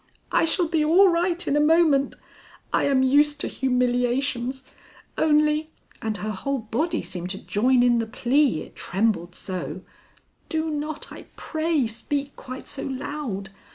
"I shall be all right in a moment. I am used to humiliations. Only" and her whole body seemed to join in the plea, it trembled so "do not, I pray, speak quite so loud.